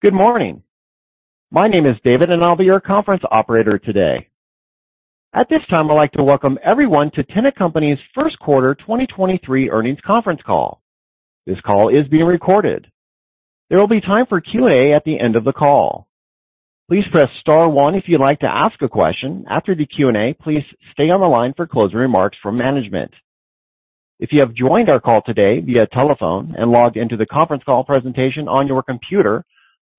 Good morning. My name is David, and I'll be your conference operator today. At this time, I'd like to welcome everyone to Tennant Company's Q1 2023 earnings conference call. This call is being recorded. There will be time for Q&A at the end of the call. Please press star one if you'd like to ask a question. After the Q&A, please stay on the line for closing remarks from management. If you have joined our call today via telephone and logged into the conference call presentation on your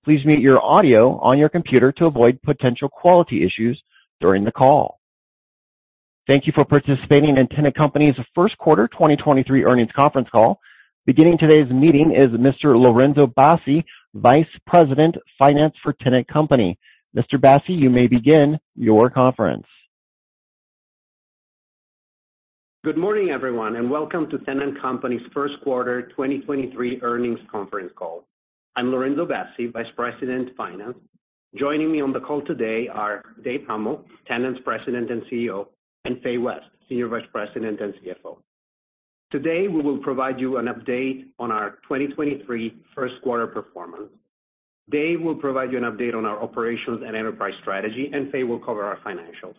computer, please mute your audio on your computer to avoid potential quality issues during the call. Thank you for participating in Tennant Company's Q1 2023 earnings conference call. Beginning today's meeting is Mr. Lorenzo Bassi, Vice President, Finance for Tennant Company. Mr. Bassi, you may begin your conference. Good morning, everyone, and welcome to Tennant Company's Q1 2023 earnings conference call. I'm Lorenzo Bassi, Vice President, Finance. Joining me on the call today are Dave Huml, Tennant's President and CEO; and Fay West, Senior Vice President and CFO. Today, we will provide you an update on our 2023 Q1 performance. Dave will provide you an update on our operations and enterprise strategy, and Fay will cover our financials.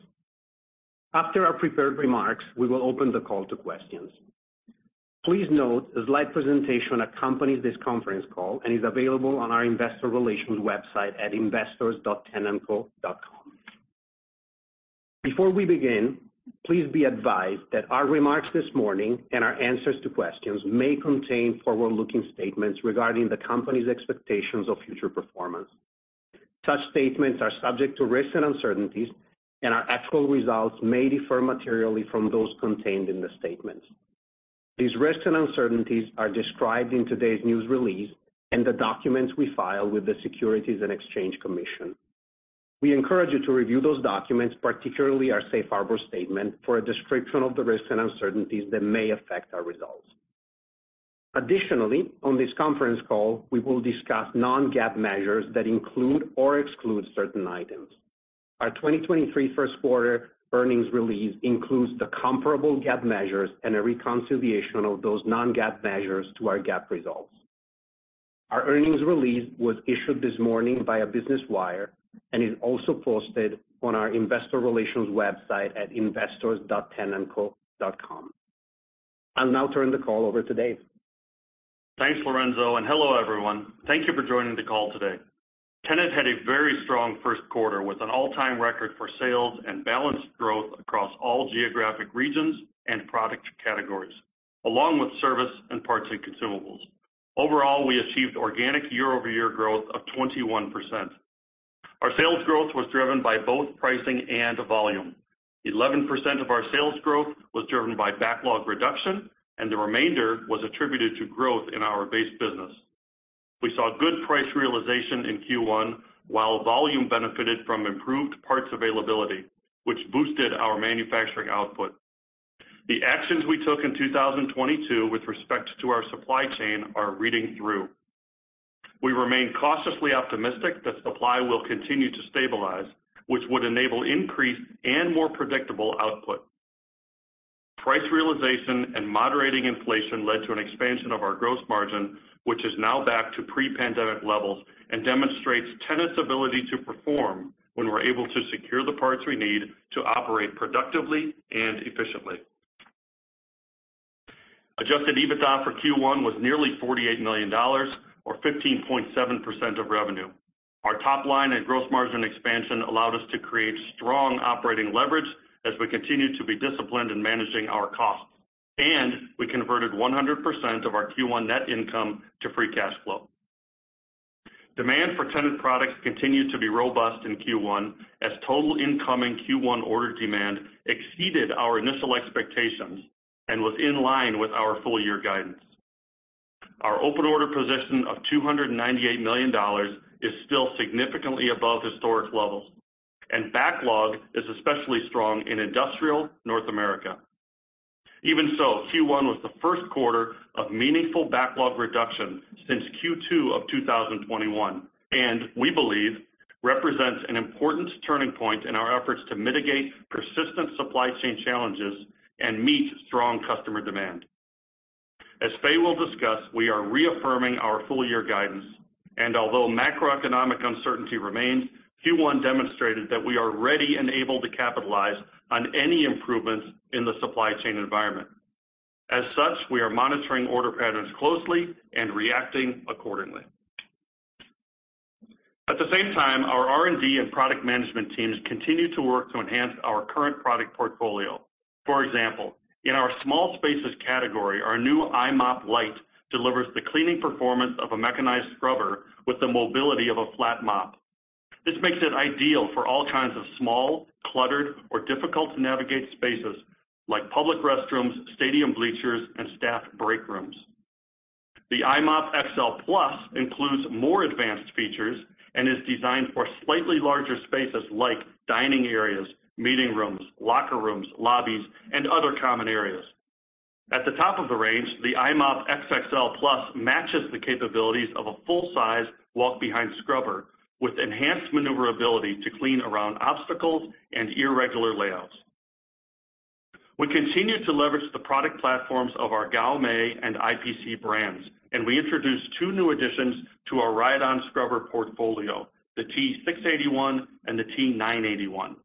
After our prepared remarks, we will open the call to questions. Please note a slide presentation accompanies this conference call and is available on our investor relations website at investors.tennantco.com. Before we begin, please be advised that our remarks this morning and our answers to questions may contain forward-looking statements regarding the company's expectations of future performance. Such statements are subject to risks and uncertainties, and our actual results may differ materially from those contained in the statements. These risks and uncertainties are described in today's news release and the documents we file with the Securities and Exchange Commission. We encourage you to review those documents, particularly our safe harbor statement, for a description of the risks and uncertainties that may affect our results. On this conference call, we will discuss non-GAAP measures that include or exclude certain items. Our 2023 Q1 earnings release includes the comparable GAAP measures and a reconciliation of those non-GAAP measures to our GAAP results. Our earnings release was issued this morning via Business Wire and is also posted on our investor relations website at investors.tennantco.com. I'll now turn the call over to Dave. Thanks, Lorenzo, and hello, everyone. Thank you for joining the call today. Tennant had a very strong Q1 with an all-time record for sales and balanced growth across all geographic regions and product categories, along with service and parts and consumables. Overall, we achieved organic year-over-year growth of 21%. Our sales growth was driven by both pricing and volume. 11% of our sales growth was driven by backlog reduction, and the remainder was attributed to growth in our base business. We saw good price realization in Q1 while volume benefited from improved parts availability, which boosted our manufacturing output. The actions we took in 2022 with respect to our supply chain are reading through. We remain cautiously optimistic that supply will continue to stabilize, which would enable increased and more predictable output. Price realization and moderating inflation led to an expansion of our gross margin, which is now back to pre-pandemic levels and demonstrates Tennant's ability to perform when we're able to secure the parts we need to operate productively and efficiently. Adjusted EBITDA for Q1 was nearly $48 million or 15.7% of revenue. Our top line and gross margin expansion allowed us to create strong operating leverage as we continued to be disciplined in managing our costs, and we converted 100% of our Q1 net income to free cash flow. Demand for Tennant products continued to be robust in Q1 as total incoming Q1 order demand exceeded our initial expectations and was in line with our full year guidance. Our open order position of $298 million is still significantly above historic levels, and backlog is especially strong in industrial North America. Q1 was Q1 of meaningful backlog reduction since Q2 of 2021, and we believe represents an important turning point in our efforts to mitigate persistent supply chain challenges and meet strong customer demand. As Fay will discuss, we are reaffirming our full year guidance, although macroeconomic uncertainty remains, Q1 demonstrated that we are ready and able to capitalize on any improvements in the supply chain environment. We are monitoring order patterns closely and reacting accordingly. At the same time, our R&D and product management teams continue to work to enhance our current product portfolio. In our small spaces category, our new i-mop Lite delivers the cleaning performance of a mechanized scrubber with the mobility of a flat mop. This makes it ideal for all kinds of small, cluttered, or difficult-to-navigate spaces like public restrooms, stadium bleachers, and staff break rooms. The i-mop XL Plus includes more advanced features and is designed for slightly larger spaces like dining areas, meeting rooms, locker rooms, lobbies, and other common areas. At the top of the range, the i-mop XXL Plus matches the capabilities of a full-size walk-behind scrubber with enhanced maneuverability to clean around obstacles and irregular layouts. We continue to leverage the product platforms of our Gaomei and IPC brands, and we introduced two new additions to our ride-on scrubber portfolio, the T681 and the T981.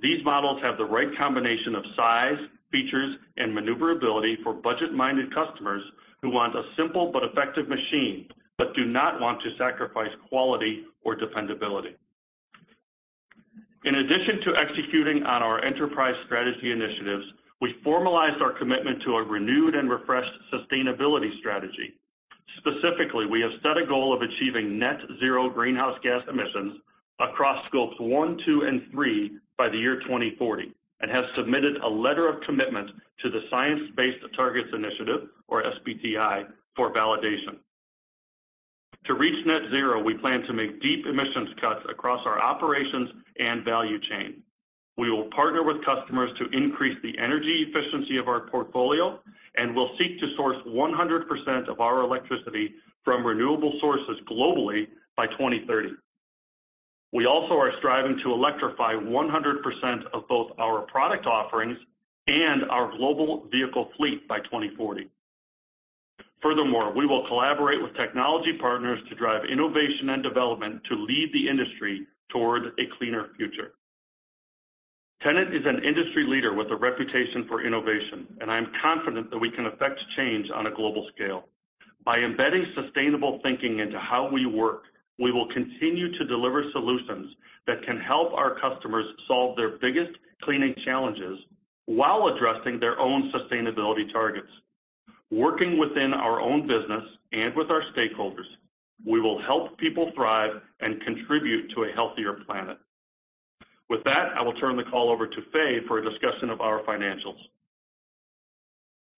These models have the right combination of size, features, and maneuverability for budget-minded customers who want a simple but effective machine, but do not want to sacrifice quality or dependability. In addition to executing on our enterprise strategy initiatives, we formalized our commitment to a renewed and refreshed sustainability strategy. Specifically, we have set a goal of achieving net zero greenhouse gas emissions across Scopes one, two and three by the year 2040, and have submitted a letter of commitment to the Science Based Targets initiative, or SBTi, for validation. To reach net zero, we plan to make deep emissions cuts across our operations and value chain. We will partner with customers to increase the energy efficiency of our portfolio, and will seek to source 100% of our electricity from renewable sources globally by 2030. We also are striving to electrify 100% of both our product offerings and our global vehicle fleet by 2040. Furthermore, we will collaborate with technology partners to drive innovation and development to lead the industry toward a cleaner future. Tennant is an industry leader with a reputation for innovation. I am confident that we can effect change on a global scale. By embedding sustainable thinking into how we work, we will continue to deliver solutions that can help our customers solve their biggest cleaning challenges while addressing their own sustainability targets. Working within our own business and with our stakeholders, we will help people thrive and contribute to a healthier planet. With that, I will turn the call over to Fay for a discussion of our financials.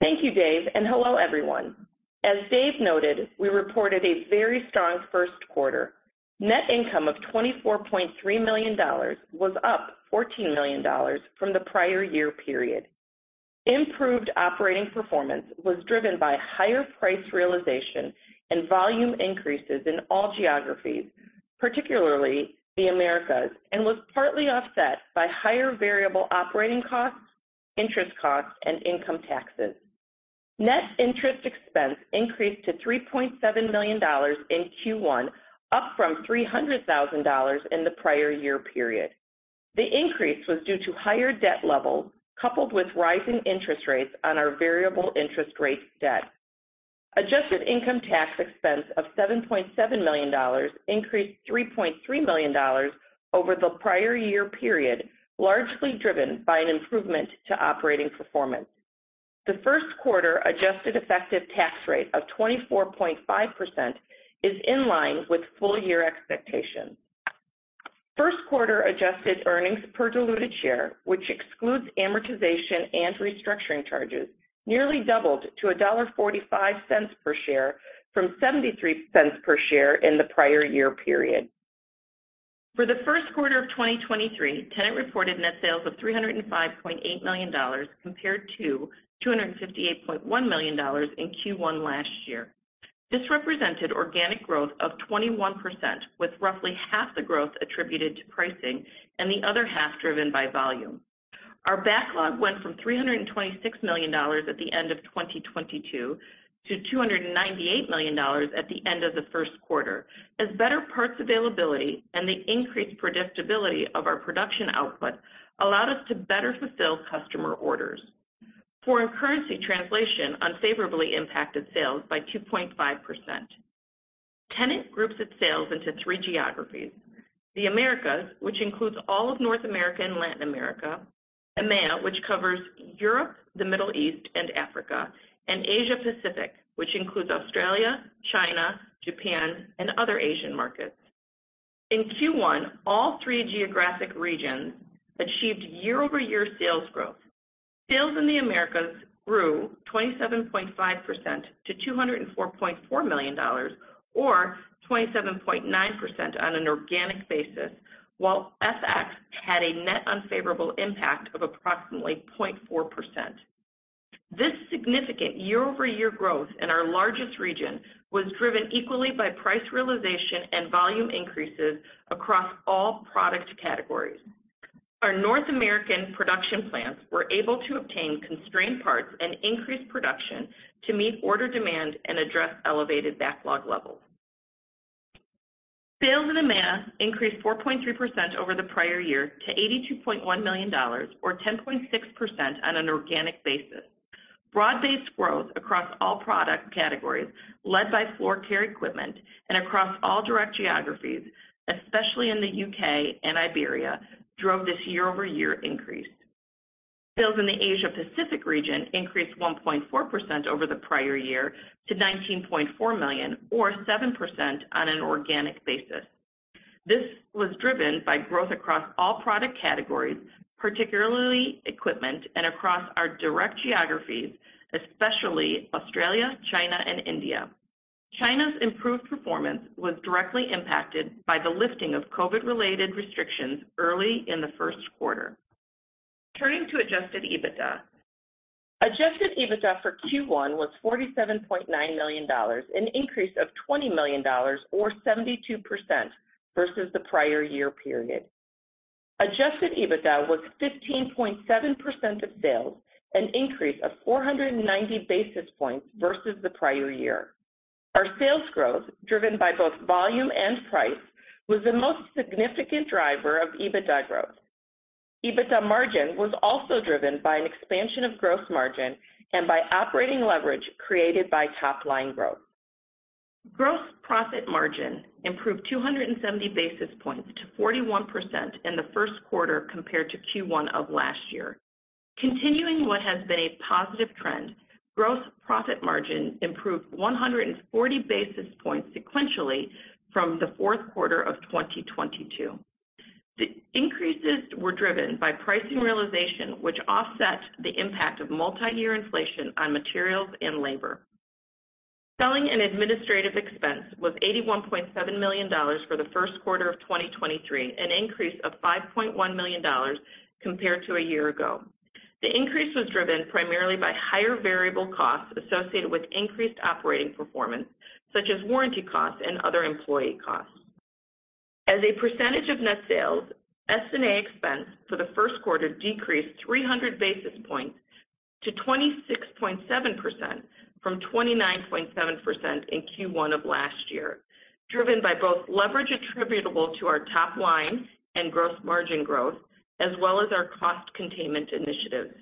Thank you, Dave. Hello, everyone. As Dave noted, we reported a very strong Q1. Net income of $24.3 million was up $14 million from the prior year period. Improved operating performance was driven by higher price realization and volume increases in all geographies, particularly the Americas, and was partly offset by higher variable operating costs, interest costs, and income taxes. Net interest expense increased to $3.7 million in Q1, up from $300,000 in the prior year period. The increase was due to higher debt levels coupled with rising interest rates on our variable interest rate debt. Adjusted income tax expense of $7.7 million increased $3.3 million over the prior year period, largely driven by an improvement to operating performance. Q1 adjusted effective tax rate of 24.5% is in line with full-year expectations. Q1 adjusted earnings per diluted share, which excludes amortization and restructuring charges, nearly doubled to $1.45 per share from $0.73 per share in the prior year period. For Q1 of 2023, Tennant reported net sales of $305.8 million compared to $258.1 million in Q1 last year. This represented organic growth of 21%, with roughly half the growth attributed to pricing and the other half driven by volume. Our backlog went from $326 million at the end of 2022 to $298 million at the end of Q1, as better parts availability and the increased predictability of our production output allowed us to better fulfill customer orders. Foreign currency translation unfavorably impacted sales by 2.5%. Tennant groups its sales into three geographies. The Americas, which includes all of North America and Latin America, EMEA, which covers Europe, the Middle East, and Africa, and Asia-Pacific, which includes Australia, China, Japan, and other Asian markets. In Q1, all three geographic regions achieved year-over-year sales growth. Sales in the Americas grew 27.5% to $204.4 million or 27.9% on an organic basis, while FX had a net unfavorable impact of approximately 0.4%. This significant year-over-year growth in our largest region was driven equally by price realization and volume increases across all product categories. Our North American production plants were able to obtain constrained parts and increase production to meet order demand and address elevated backlog levels. Sales in EMEA increased 4.3% over the prior year to $82.1 million or 10.6% on an organic basis. Broad-based growth across all product categories led by floor care equipment and across all direct geographies, especially in the U.K. and Iberia, drove this year-over-year increase. Sales in the Asia-Pacific region increased 1.4% over the prior year to $19.4 million or 7% on an organic basis. This was driven by growth across all product categories, particularly equipment, and across our direct geographies, especially Australia, China, and India. China's improved performance was directly impacted by the lifting of COVID-related restrictions early in Q1. Turning to Adjusted EBITDA for Q1 was $47.9 million, an increase of $20 million or 72% versus the prior year period. Adjusted EBITDA was 15.7% of sales, an increase of 490 basis points versus the prior year. Our sales growth, driven by both volume and price, was the most significant driver of EBITDA growth. EBITDA margin was also driven by an expansion of gross margin and by operating leverage created by top-line growth. Gross profit margin improved 270 basis points to 41% in Q1 compared to Q1 of last year. Continuing what has been a positive trend, gross profit margin improved 140 basis points sequentially from the fourth quarter of 2022. The increases were driven by pricing realization, which offset the impact of multi-year inflation on materials and labor. Selling and administrative expense was $81.7 million for Q1 of 2023, an increase of $5.1 million compared to a year ago. The increase was driven primarily by higher variable costs associated with increased operating performance, such as warranty costs and other employee costs. As a percentage of net sales, S&A expense for Q1 decreased 300 basis points to 26.7% from 29.7% in Q1 of last year, driven by both leverage attributable to our top line and gross margin growth, as well as our cost containment initiatives.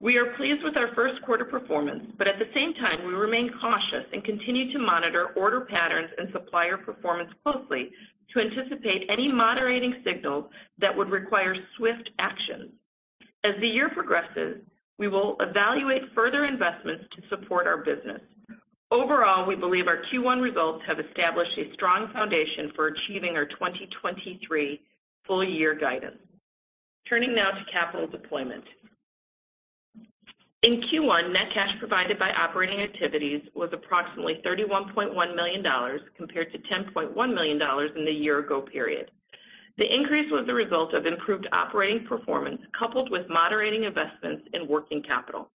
We are pleased with our Q1 performance. At the same time, we remain cautious and continue to monitor order patterns and supplier performance closely to anticipate any moderating signals that would require swift action. As the year progresses, we will evaluate further investments to support our business. Overall, we believe our Q1 results have established a strong foundation for achieving our 2023 full-year guidance. Turning now to capital deployment. In Q1, net cash provided by operating activities was approximately $31.1 million compared to $10.1 million in the year ago period. The increase was the result of improved operating performance coupled with moderating investments in working capital.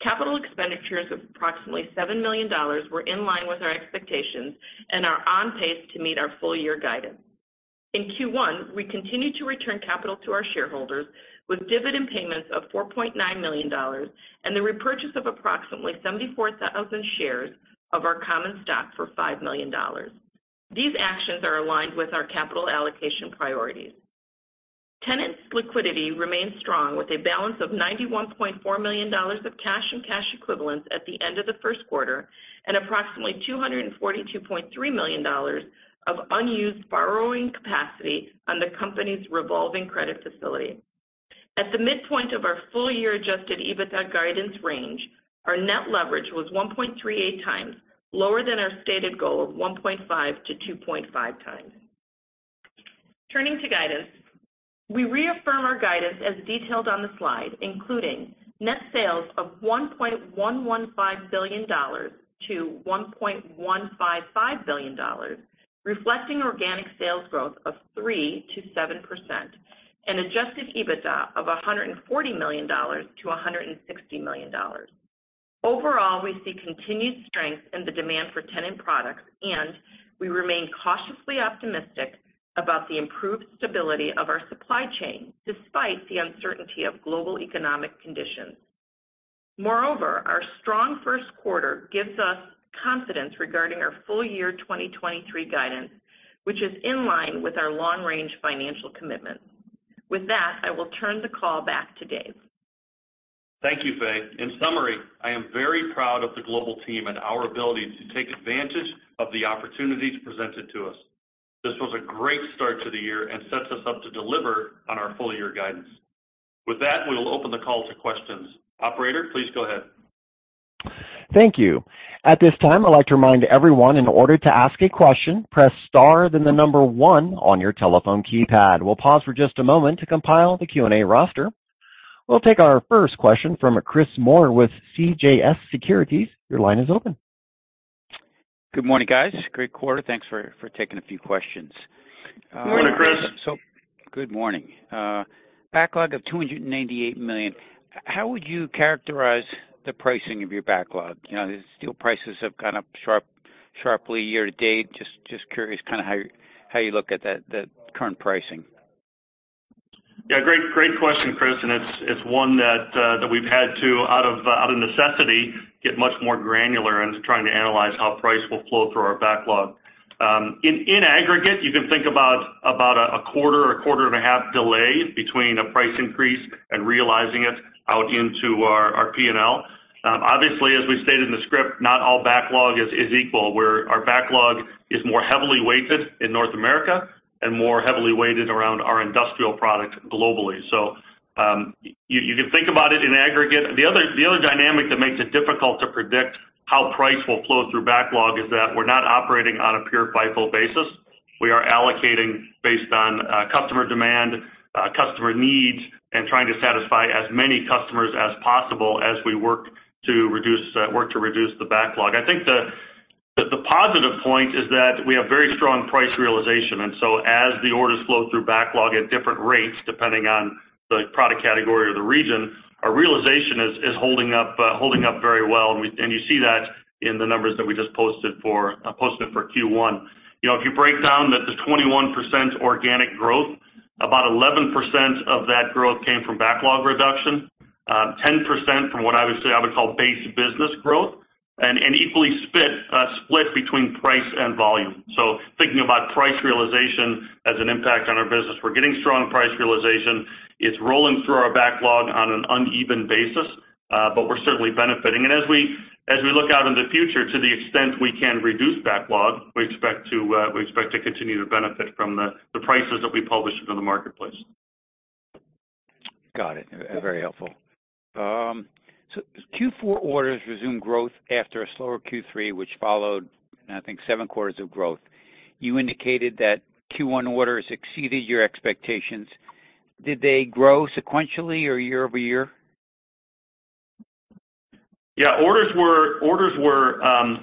Capital expenditures of approximately $7 million were in line with our expectations and are on pace to meet our full-year guidance. In Q1, we continued to return capital to our shareholders with dividend payments of $4.9 million and the repurchase of approximately 74,000 shares of our common stock for $5 million. These actions are aligned with our capital allocation priorities. Tennant's liquidity remains strong with a balance of $91.4 million of cash and cash equivalents at the end of Q1 and approximately $242.3 million of unused borrowing capacity on the company's revolving credit facility. At the midpoint of our full-year adjusted EBITDA guidance range, our net leverage was 1.38 times lower than our stated goal of 1.5-2.5 times. Turning to guidance. We reaffirm our guidance as detailed on the slide, including net sales of $1.115 billion-$1.155 billion, reflecting organic sales growth of 3%-7% and adjusted EBITDA of $140 million-$160 million. Overall, we see continued strength in the demand for Tennant products, and we remain cautiously optimistic about the improved stability of our supply chain despite the uncertainty of global economic conditions. Moreover, our strong Q1 gives us confidence regarding our full-year 2023 guidance, which is in line with our long-range financial commitment. With that, I will turn the call back to Dave. Thank you, Fay. In summary, I am very proud of the global team and our ability to take advantage of the opportunities presented to us. This was a great start to the year and sets us up to deliver on our full-year guidance. With that, we will open the call to questions. Operator, please go ahead. Thank you. At this time, I'd like to remind everyone in order to ask a question, press star then the number one on your telephone keypad. We'll pause for just a moment to compile the Q&A roster. We'll take our first question from Chris Moore with CJS Securities. Your line is open. Good morning, guys. Great quarter. Thanks for taking a few questions. Good morning, Chris. Good morning. Backlog of $288 million. How would you characterize the pricing of your backlog? You know, the steel prices have gone up sharply year to date. Just curious kinda how you look at that current pricing. Yeah, great question, Chris, and it's one that we've had to out of necessity, get much more granular in trying to analyze how price will flow through our backlog. In aggregate, you can think about a quarter or a quarter and a half delay between a price increase and realizing it out into our P&L. Obviously, as we stated in the script, not all backlog is equal, where our backlog is more heavily weighted in North America and more heavily weighted around our industrial products globally. You can think about it in aggregate. The other dynamic that makes it difficult to predict how price will flow through backlog is that we're not operating on a pure FIFO basis. We are allocating based on customer demand, customer needs, and trying to satisfy as many customers as possible as we work to reduce the backlog. I think the positive point is that we have very strong price realization. As the orders flow through backlog at different rates depending on the product category or the region, our realization is holding up very well. You see that in the numbers that we just posted for Q1. You know, if you break down that the 21% organic growth, about 11% of that growth came from backlog reduction, 10% from what I would call base business growth, and equally split between price and volume. Thinking about price realization as an impact on our business. We're getting strong price realization. It's rolling through our backlog on an uneven basis, but we're certainly benefiting. As we look out into the future to the extent we can reduce backlog, we expect to, we expect to continue to benefit from the prices that we publish into the marketplace. Got it. Very helpful. Q4 orders resumed growth after a slower Q3, which followed, I think, seven quarters of growth. You indicated that Q1 orders exceeded your expectations. Did they grow sequentially or year-over-year? Yeah, orders were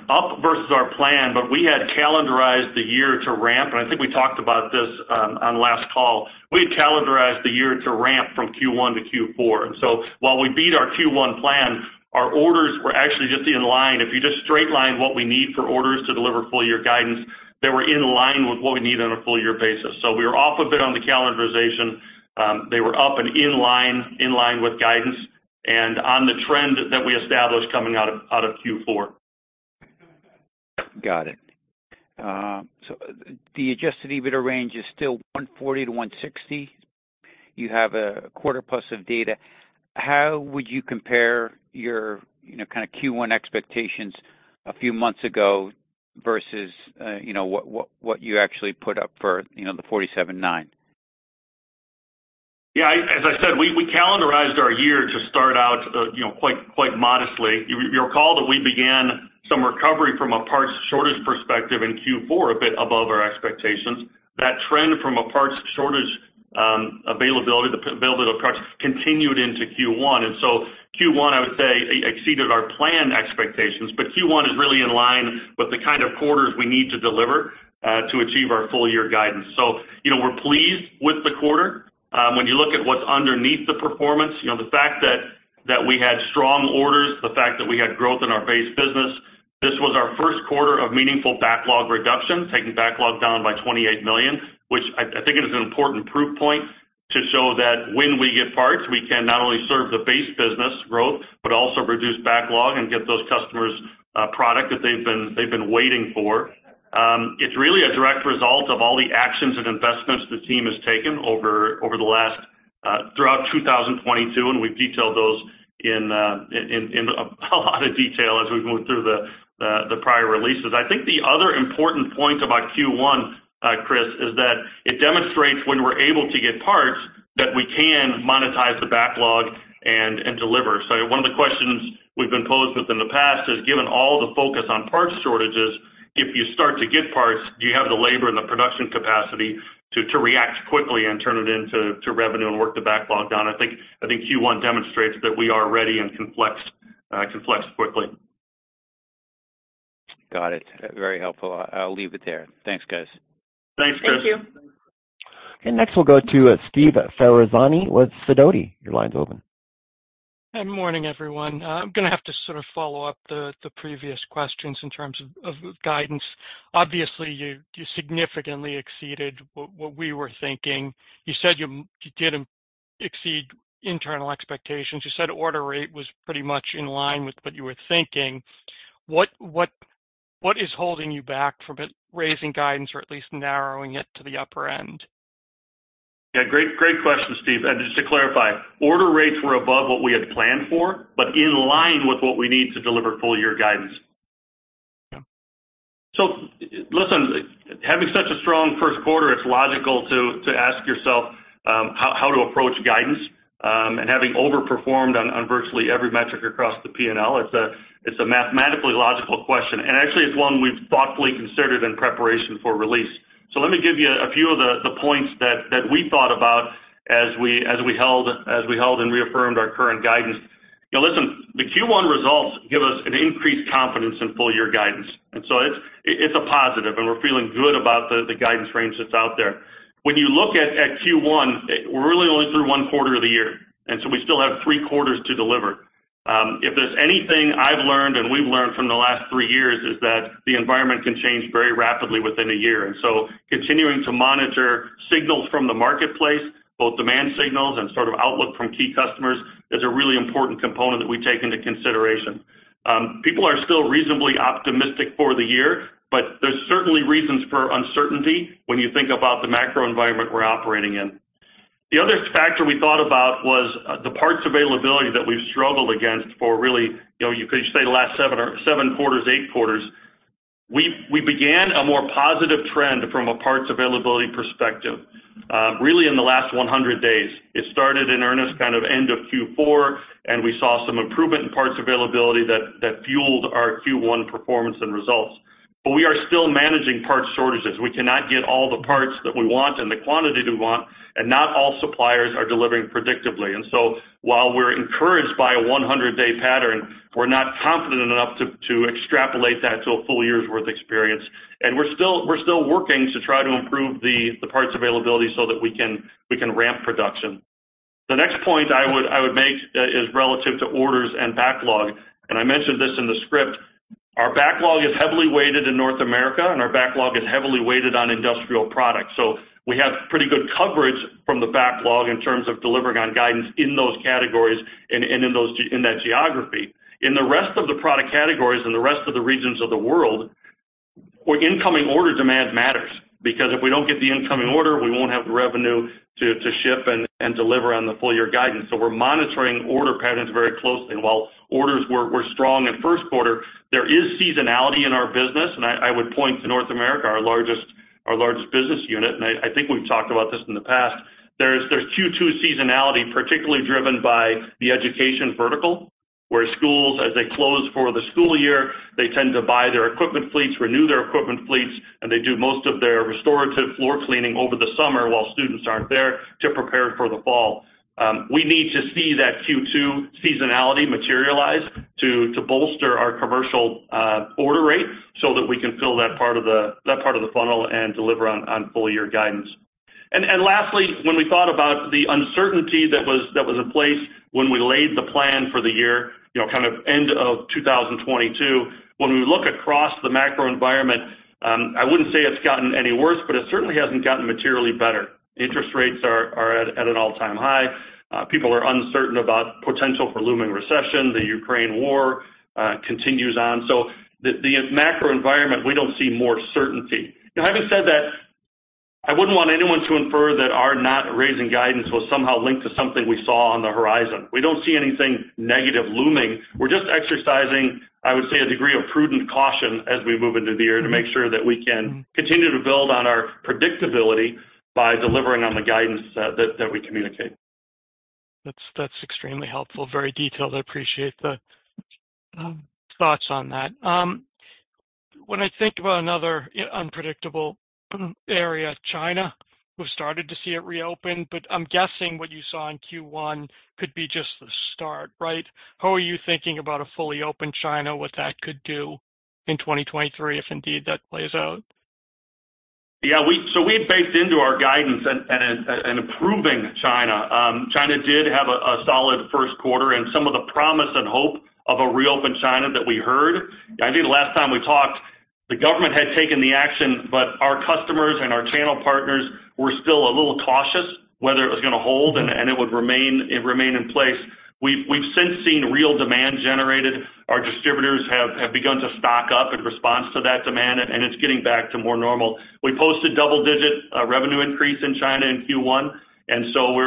up versus our plan, but we had calendarized the year to ramp, and I think we talked about this on last call. We had calendarized the year to ramp from Q1 to Q4. While we beat our Q1 plan, our orders were actually just in line. If you just straight line what we need for orders to deliver full year guidance, they were in line with what we need on a full year basis. We were off a bit on the calendarization. They were up and in line, in line with guidance and on the trend that we established coming out of Q4. Got it. The adjusted EBITDA range is still $140 million-$160 million. You have a quarter plus of data. How would you compare your, you know, kind of Q1 expectations a few months ago versus what you actually put up for the $47.9 million? Yeah, as I said, we calendarized our year to start out, you know, quite modestly. You'll recall that we began some recovery from a parts shortage perspective in Q4 a bit above our expectations. That trend from a parts shortage, availability, the availability of parts continued into Q1. Q1, I would say exceeded our planned expectations, but Q1 is really in line with the kind of quarters we need to deliver to achieve our full year guidance. You know, we're pleased with the quarter. When you look at what's underneath the performance, you know, the fact that we had strong orders, the fact that we had growth in our base business. This was our Q1 of meaningful backlog reduction, taking backlog down by $28 million, which I think is an important proof point to show that when we get parts, we can not only serve the base business growth, but also reduce backlog and get those customers product that they've been waiting for. It's really a direct result of all the actions and investments the team has taken over the last throughout 2022, and we've detailed those in a lot of detail as we've moved through the prior releases. I think the other important point about Q1, Chris, is that it demonstrates when we're able to get parts that we can monetize the backlog and deliver. One of the questions we've been posed with in the past is, given all the focus on parts shortages, if you start to get parts, do you have the labor and the production capacity to react quickly and turn it into revenue and work the backlog down? I think Q1 demonstrates that we are ready and can flex quickly. Got it. Very helpful. I'll leave it there. Thanks, guys. Thanks, Chris. Thank you. Next we'll go to Steve Ferazani with Sidoti. Your line's open. Good morning, everyone. I'm gonna have to sort of follow up the previous questions in terms of guidance. Obviously, you significantly exceeded what we were thinking. You said you didn't exceed internal expectations. You said order rate was pretty much in line with what you were thinking. What is holding you back from raising guidance or at least narrowing it to the upper end? Yeah, great question, Steve. Just to clarify, order rates were above what we had planned for, but in line with what we need to deliver full year guidance. Yeah. Listen, having such a strong Q1, it's logical to ask yourself how to approach guidance, and having overperformed on virtually every metric across the P&L. It's a mathematically logical question, and actually it's one we've thoughtfully considered in preparation for release. Let me give you a few of the points that we thought about as we held and reaffirmed our current guidance. You know, listen, the Q1 results give us an increased confidence in full year guidance. It's a positive, and we're feeling good about the guidance range that's out there. When you look at Q1, we're really only through 1 quarter of the year, we still have three quarters to deliver. If there's anything I've learned and we've learned from the last three years is that the environment can change very rapidly within a year. Continuing to monitor signals from the marketplace, both demand signals and sort of outlook from key customers, is a really important component that we take into consideration. People are still reasonably optimistic for the year, but there's certainly reasons for uncertainty when you think about the macro environment we're operating in. The other factor we thought about was, the parts availability that we've struggled against for really, you know, you could say the last seven quarters, eight quarters. We began a more positive trend from a parts availability perspective, really in the last 100 days. It started in earnest kind of end of Q4, and we saw some improvement in parts availability that fueled our Q1 performance and results. We are managing parts shortages. We cannot get all the parts that we want in the quantity that we want, and not all suppliers are delivering predictably. While we're encouraged by a 100-day pattern, we're not confident enough to extrapolate that to a full year's worth experience. We're still working to try to improve the parts availability so that we can ramp production. The next point I would make is relative to orders and backlog, and I mentioned this in the script. Our backlog is heavily weighted in North America, and our backlog is heavily weighted on industrial products. We have pretty good coverage from the backlog in terms of delivering on guidance in those categories and in that geography. In the rest of the product categories and the rest of the regions of the world, where incoming order demand matters. Because if we don't get the incoming order, we won't have the revenue to ship and deliver on the full year guidance. We're monitoring order patterns very closely. While orders were strong in Q1, there is seasonality in our business, and I would point to North America, our largest business unit, and I think we've talked about this in the past. There's Q2 seasonality, particularly driven by the education vertical, where schools, as they close for the school year, they tend to buy their equipment fleets, renew their equipment fleets, and they do most of their restorative floor cleaning over the summer while students aren't there to prepare for the fall. We need to see that Q2 seasonality materialize to bolster our commercial order rate so that we can fill that part of the funnel and deliver on full year guidance. Lastly, when we thought about the uncertainty that was in place when we laid the plan for the year, you know, kind of end of 2022. When we look across the macro environment, I wouldn't say it's gotten any worse, but it certainly hasn't gotten materially better. Interest rates are at an all-time high. People are uncertain about potential for looming recession. The Ukraine war continues on. The macro environment, we don't see more certainty. Having said that, I wouldn't want anyone to infer that our not raising guidance was somehow linked to something we saw on the horizon. We don't see anything negative looming. We're just exercising, I would say, a degree of prudent caution as we move into the year to make sure that we can continue to build on our predictability by delivering on the guidance that we communicate. That's extremely helpful, very detailed. I appreciate the thoughts on that. When I think about another unpredictable area, China. We've started to see it reopen, but I'm guessing what you saw in Q1 could be just the start, right? How are you thinking about a fully open China, what that could do in 2023, if indeed that plays out? Yeah, so we had baked into our guidance and improving China. China did have a solid Q1 and some of the promise and hope of a reopen China that we heard. I knew the last time we talked, the government had taken the action. Our customers and our channel partners were still a little cautious whether it was gonna hold and it remain in place. We've since seen real demand generated. Our distributors have begun to stock up in response to that demand. It's getting back to more normal. We posted double-digit revenue increase in China in Q1.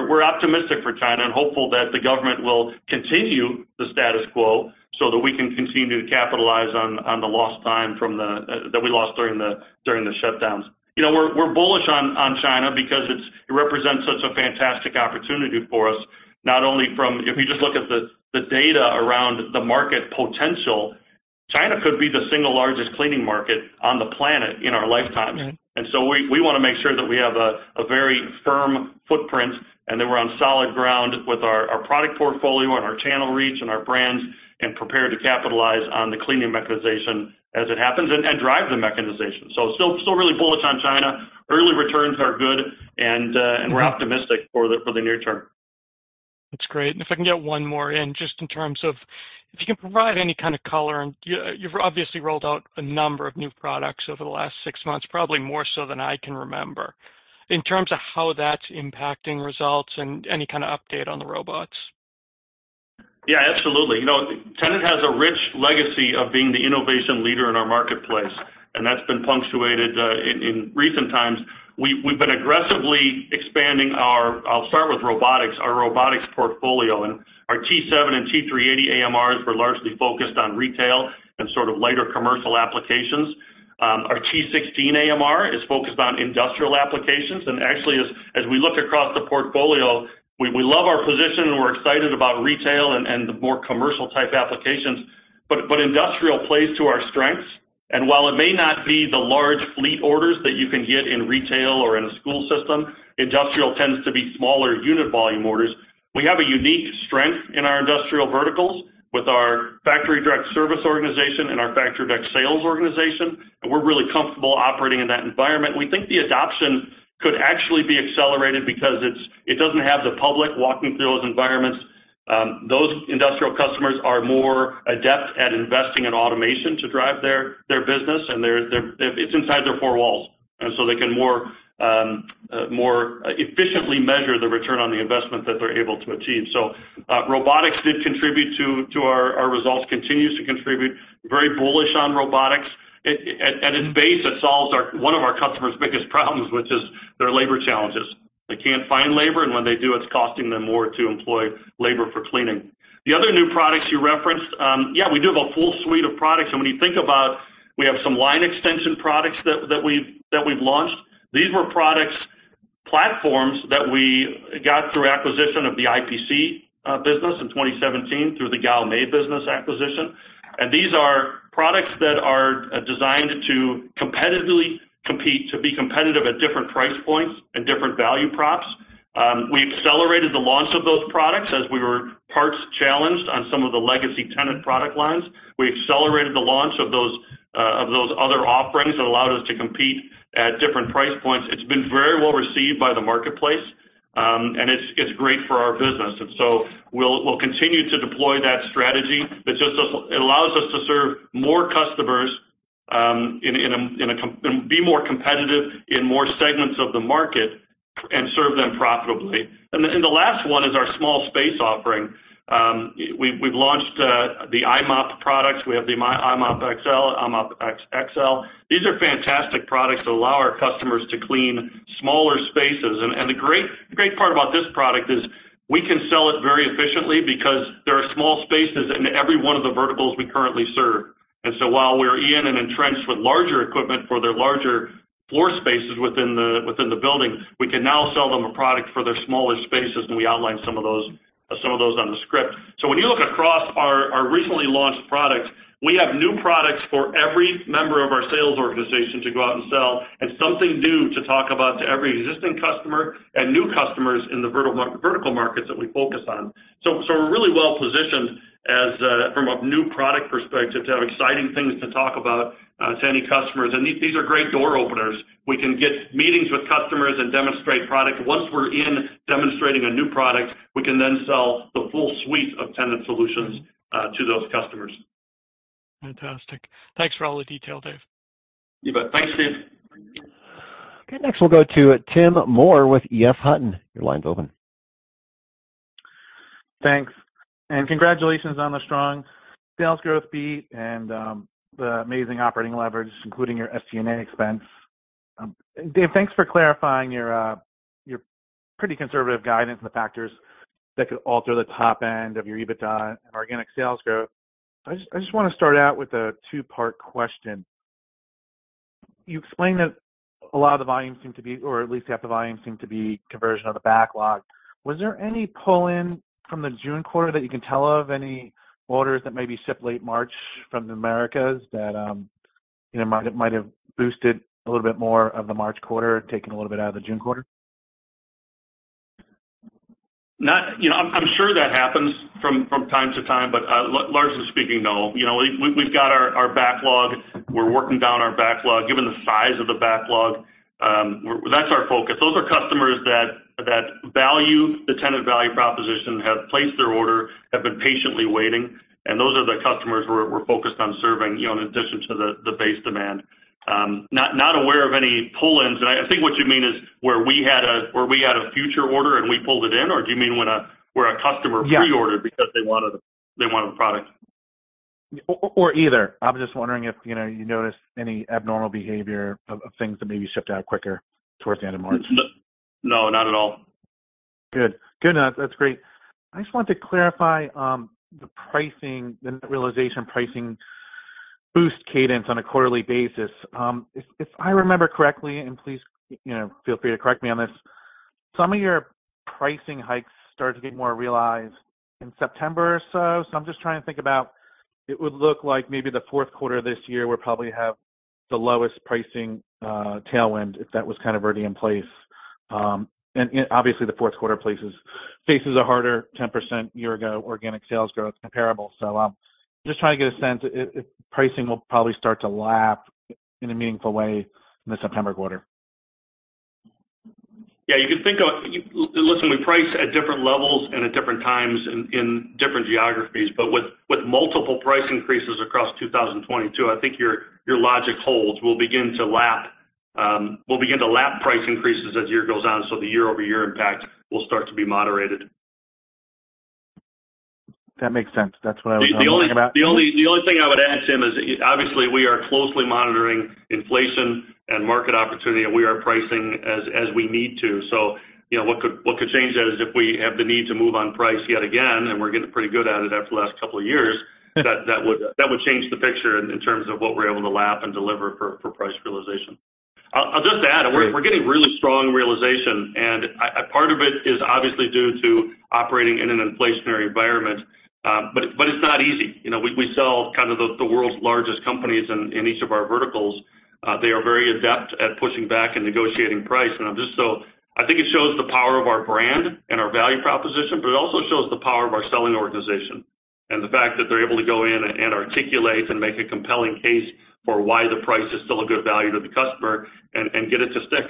We're optimistic for China and hopeful that the government will continue the status quo so that we can continue to capitalize on the lost time that we lost during the shutdowns. You know, we're bullish on China because it represents such a fantastic opportunity for us, not only from... If you just look at the data around the market potential, China could be the single largest cleaning market on the planet in our lifetimes. Mm-hmm. We wanna make sure that we have a very firm footprint and that we're on solid ground with our product portfolio and our channel reach and our brands, and prepare to capitalize on the cleaning mechanization as it happens and drive the mechanization. Still really bullish on China. Early returns are good and we're optimistic for the near term. That's great. If I can get 1 more in, just in terms of if you can provide any kind of color, and you've obviously rolled out a number of new products over the last 6 months, probably more so than I can remember. In terms of how that's impacting results and any kind of update on the robots. Yeah, absolutely. You know, Tennant has a rich legacy of being the innovation leader in our marketplace, that's been punctuated in recent times. We've been aggressively expanding I'll start with robotics, our robotics portfolio, T7AMR and T380AMRs were largely focused on retail and sort of lighter commercial applications. Our T16AMR is focused on industrial applications. Actually, as we look across the portfolio, we love our position and we're excited about retail and the more commercial type applications. Industrial plays to our strengths. While it may not be the large fleet orders that you can get in retail or in a school system, industrial tends to be smaller unit volume orders. We have a unique strength in our industrial verticals with our factory direct service organization and our factory direct sales organization. We're really comfortable operating in that environment. We think the adoption could actually be accelerated because it doesn't have the public walking through those environments. Those industrial customers are more adept at investing in automation to drive their business, it's inside their four walls, so they can more efficiently measure the return on the investment that they're able to achieve. Robotics did contribute to our results. Continues to contribute. Very bullish on robotics. At its base, it solves one of our customers' biggest problems, which is their labor challenges. They can't find labor. When they do, it's costing them more to employ labor for cleaning. The other new products you referenced, yeah, we do have a full suite of products. When you think about, we have some line extension products that we've launched. These were products that we got through acquisition of the IPC business in 2017 through the Gaomei business acquisition. These are products that are designed to compete to be competitive at different price points and different value props. We accelerated the launch of those products as we were parts challenged on some of the legacy Tennant product lines. We accelerated the launch of those other offerings that allowed us to compete at different price points. It's been very well received by the marketplace, and it's great for our business. We'll continue to deploy that strategy that just allows us to serve more customers, and be more competitive in more segments of the market and serve them profitably. The last one is our small space offering. We've launched the i-mop products. We have the i-mop XL, i-mop XXL. These are fantastic products that allow our customers to clean smaller spaces. The great part about this product is we can sell it very efficiently because there are small spaces in every one of the verticals we currently serve. While we're in and entrenched with larger equipment for their larger floor spaces within the building, we can now sell them a product for their smaller spaces, and we outlined some of those on the script. When you look across our recently launched products, we have new products for every member of our sales organization to go out and sell and something new to talk about to every existing customer and new customers in the vertical markets that we focus on. We're really well positioned as from a new product perspective to have exciting things to talk about to any customers. These are great door openers. We can get meetings with customers and demonstrate product. Once we're in demonstrating a new product, we can then sell the full suite of Tennant solutions to those customers. Fantastic. Thanks for all the detail, Dave. You bet. Thanks, Steve. Okay. Next, we'll go to Tim Moore with EF Hutton. Your line's open. Thanks. Congratulations on the strong sales growth beat and the amazing operating leverage, including your SG&A expense. Dave, thanks for clarifying your pretty conservative guidance and the factors that could alter the top end of your EBITDA and organic sales growth. I just wanna start out with a two-part question. You explained that a lot of the volume seemed to be, or at least half the volume seemed to be conversion of the backlog. Was there any pull-in from the June quarter that you can tell of, any orders that maybe shipped late March from the Americas that, you know, might have boosted a little bit more of the March quarter, taken a little bit out of the June quarter? Not. You know, I'm sure that happens from time to time, but largely speaking, no. You know, we've got our backlog. We're working down our backlog. Given the size of the backlog, that's our focus. Those are customers that value the Tennant value proposition, have placed their order, have been patiently waiting, and those are the customers we're focused on serving, you know, in addition to the base demand. Not aware of any pull-ins. I think what you mean is where we had a future order, and we pulled it in, or do you mean when a customer pre-ordered? Yeah... because they wanted the product? Either. I'm just wondering if, you know, you noticed any abnormal behavior of things that maybe shipped out quicker towards the end of March? No, not at all. Good. Good. Now, that's great. I just wanted to clarify, the pricing, the net realization pricing boost cadence on a quarterly basis. If I remember correctly, and please, you know, feel free to correct me on this, some of your pricing hikes started to get more realized in September or so. I'm just trying to think about, it would look like maybe the fourth quarter this year will probably have the lowest pricing, tailwind if that was kind of already in place. And obviously, the fourth quarter faces a harder 10% year-ago organic sales growth comparable. Just trying to get a sense if pricing will probably start to lap in a meaningful way in the September quarter. Yeah, listen, we price at different levels and at different times in different geographies. With multiple price increases across 2022, I think your logic holds. We'll begin to lap price increases as the year goes on, the year-over-year impact will start to be moderated. That makes sense. That's what I was wondering about. The only thing I would add, Tim, is obviously we are closely monitoring inflation and market opportunity, and we are pricing as we need to. You know, what could change that is if we have the need to move on price yet again, and we're getting pretty good at it after the last couple of years. That would change the picture in terms of what we're able to lap and deliver for price realization. I'll just add, we're getting really strong realization, and a part of it is obviously due to operating in an inflationary environment. It's not easy. You know, we sell kind of the world's largest companies in each of our verticals. They are very adept at pushing back and negotiating price. I think it shows the power of our brand and our value proposition, but it also shows the power of our selling organization and the fact that they're able to go in and articulate and make a compelling case for why the price is still a good value to the customer and get it to stick.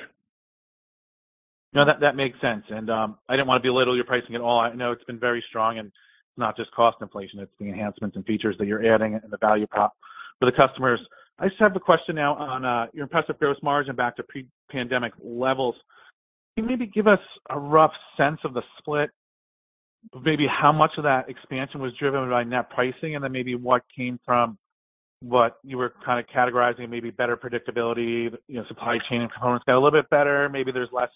No, that makes sense. I didn't wanna belittle your pricing at all. I know it's been very strong, and it's not just cost inflation, it's the enhancements and features that you're adding and the value prop for the customers. I just have the question now on your impressive gross margin back to pre-pandemic levels. Can you maybe give us a rough sense of the split, maybe how much of that expansion was driven by net pricing and then maybe what came from what you were kind of categorizing, maybe better predictability, you know, supply chain and components got a little bit better. Maybe there's less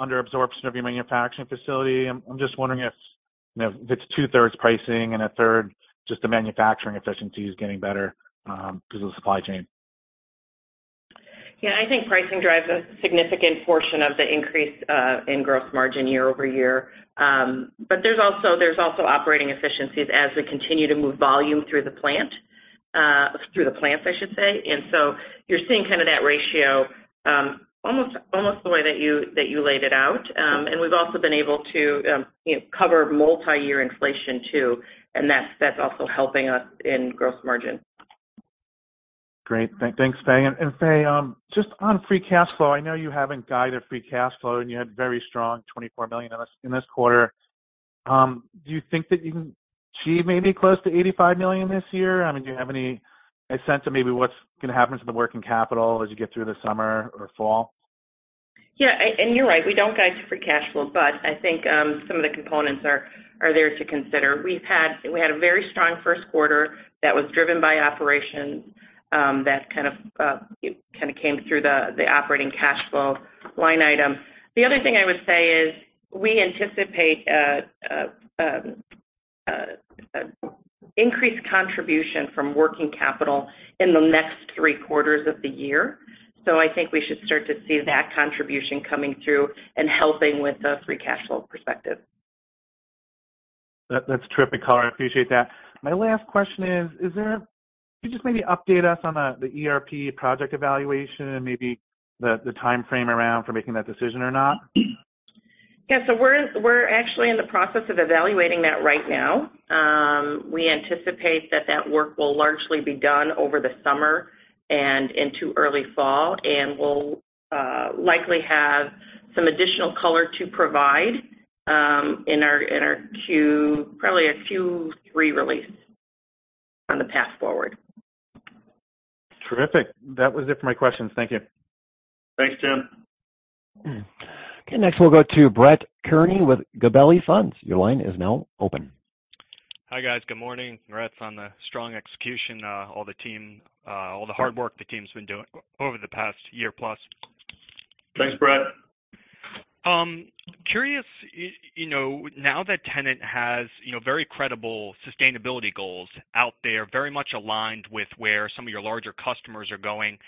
under absorption of your manufacturing facility. I'm just wondering if you know, if it's two-thirds pricing and a third just the manufacturing efficiencies getting better 'cause of the supply chain? Yeah, I think pricing drives a significant portion of the increase, in gross margin year-over-year. There's also operating efficiencies as we continue to move volume through the plant. Through the plants, I should say. You're seeing kind of that ratio, almost the way that you laid it out. We've also been able to, you know, cover multi-year inflation too, and that's also helping us in gross margin. Great. Thanks, Fay. Fay, just on free cash flow, I know you haven't guided free cash flow, and you had very strong $24 million in this quarter. Do you think that you can achieve maybe close to $85 million this year? I mean, do you have any sense of maybe what's gonna happen to the working capital as you get through the summer or fall? Yeah, and you're right, we don't guide to free cash flow. I think some of the components are there to consider. We had a very strong Q1 that was driven by operations, that kind of came through the operating cash flow line item. The other thing I would say is, we anticipate a increased contribution from working capital in the next 3 quarters of the year. I think we should start to see that contribution coming through and helping with the free cash flow perspective. That's terrific color. I appreciate that. My last question is there, could you just maybe update us on the ERP project evaluation and maybe the timeframe around for making that decision or not? Yeah. We're actually in the process of evaluating that right now. We anticipate that that work will largely be done over the summer and into early fall. We'll likely have some additional color to provide in our Probably our Q3 release on the path forward. Terrific. That was it for my questions. Thank you. Thanks, Jim. Okay. Next we'll go to Brett Kearney with Gabelli Funds. Your line is now open. Hi, guys. Good morning. Congrats on the strong execution, all the team, all the hard work the team's been doing over the past year plus. Thanks, Brett. Curious, you know, now that Tennant has, you know, very credible sustainability goals out there, very much aligned with where some of your larger customers are going,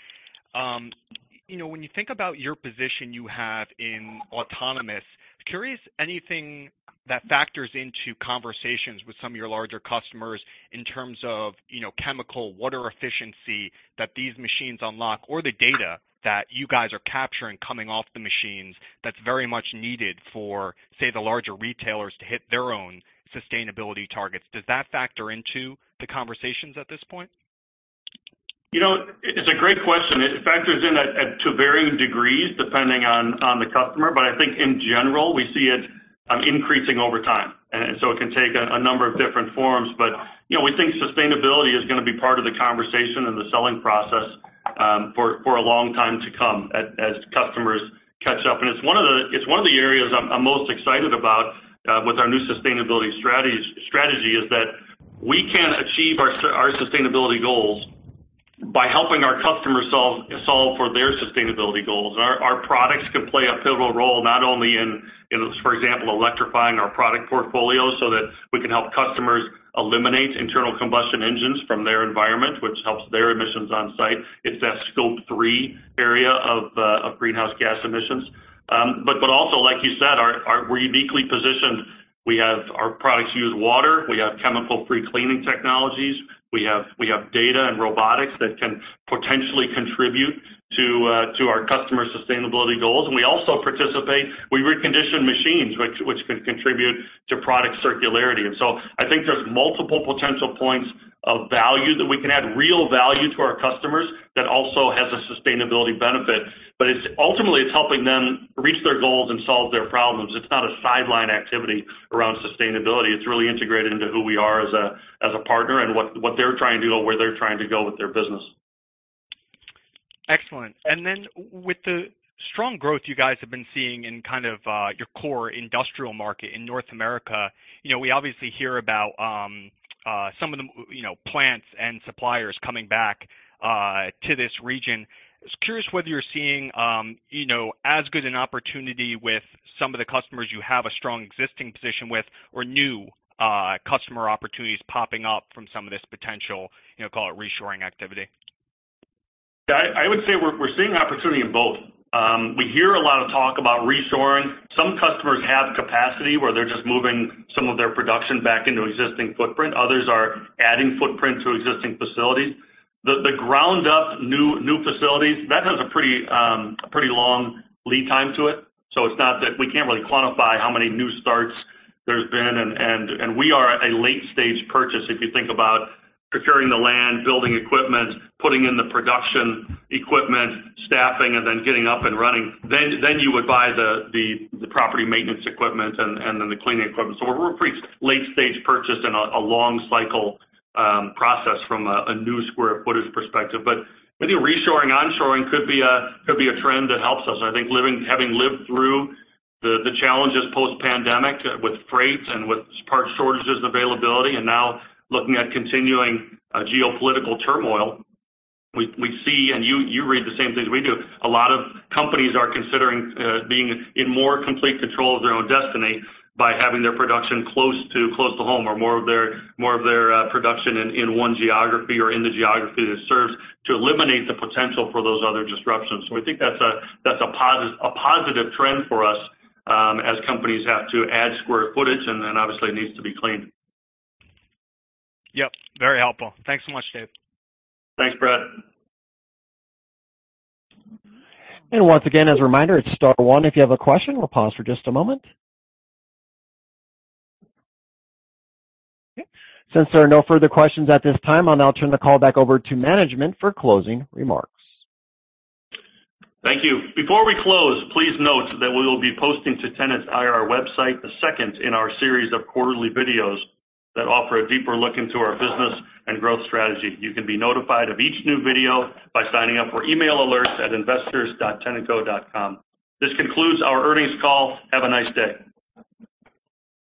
you know, when you think about your position you have in autonomous, curious anything that factors into conversations with some of your larger customers in terms of, you know, chemical water efficiency that these machines unlock, or the data that you guys are capturing coming off the machines that's very much needed for, say, the larger retailers to hit their own sustainability targets. Does that factor into the conversations at this point? You know, it's a great question. It factors in to varying degrees, depending on the customer. I think in general, we see it increasing over time. It can take a number of different forms. You know, we think sustainability is gonna be part of the conversation and the selling process for a long time to come as customers catch up. It's one of the areas I'm most excited about with our new sustainability strategy, is that we can achieve our sustainability goals by helping our customers solve for their sustainability goals. Our products can play a pivotal role, not only in, for example, electrifying our product portfolio so that we can help customers eliminate internal combustion engines from their environment, which helps their emissions on site. It's that Scope 3 area of greenhouse gas emissions. Also, like you said, we're uniquely positioned. Our products use water. We have chemical-free cleaning technologies. We have data and robotics that can potentially contribute to our customers' sustainability goals. We also participate, we recondition machines, which can contribute to product circularity. I think there's multiple potential points of value that we can add real value to our customers that also has a sustainability benefit. Ultimately, it's helping them reach their goals and solve their problems. It's not a sideline activity around sustainability. It's really integrated into who we are as a partner and what they're trying to do and where they're trying to go with their business. Excellent. With the strong growth you guys have been seeing in kind of, your core industrial market in North America, you know, we obviously hear about, some of the, you know, plants and suppliers coming back, to this region. I was curious whether you're seeing, you know, as good an opportunity with some of the customers you have a strong existing position with, or new, customer opportunities popping up from some of this potential, you know, call it reshoring activity? I would say we're seeing opportunity in both. We hear a lot of talk about reshoring. Some customers have capacity where they're just moving some of their production back into existing footprint. Others are adding footprint to existing facilities. The ground up new facilities, that has a pretty long lead time to it. It's not that we can't really quantify how many new starts there's been and we are a late stage purchase, if you think about procuring the land, building equipment, putting in the production equipment, staffing, and then getting up and running. Then you would buy the property maintenance equipment and then the cleaning equipment. We're pretty late stage purchase and a long cycle process from a new square footage perspective. I think reshoring/onshoring could be a trend that helps us. I think having lived through the challenges post-pandemic with freight and with part shortages and availability, and now looking at continuing geopolitical turmoil, we see, and you read the same things we do, a lot of companies are considering being in more complete control of their own destiny by having their production close to home or more of their production in one geography or in the geography that serves to eliminate the potential for those other disruptions. I think that's a positive trend for us as companies have to add square footage and then obviously it needs to be cleaned. Yep. Very helpful. Thanks so much, Dave. Thanks, Brett. Once again, as a reminder, it's star 1 if you have a question. We'll pause for just a moment. Okay. Since there are no further questions at this time, I'll now turn the call back over to management for closing remarks. Thank you. Before we close, please note that we will be posting to Tennant's IR website the second in our series of quarterly videos that offer a deeper look into our business and growth strategy. You can be notified of each new video by signing up for email alerts at investors.tennantco.com. This concludes our earnings call. Have a nice day.